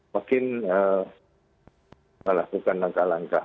makin melakukan langkah langkah